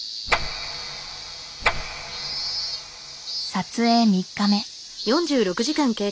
撮影３日目。